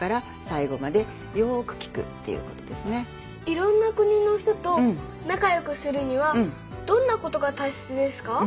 いろんな国の人と仲よくするにはどんなことがたいせつですか？